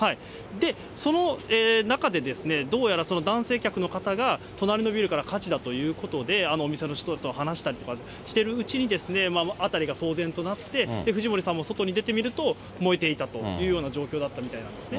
で、その中でですね、どうやら男性客の方が隣のビルから火事だということで、お店の人と話したりとかしてるうちに、辺りが騒然となって、藤森さんも外に出てみると、燃えていたというような状況だったみたいなんですね。